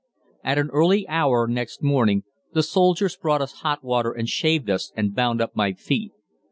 At an early hour next morning the soldiers brought us hot water and shaved us and bound up my feet.